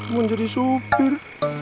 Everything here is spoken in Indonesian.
mau jadi supir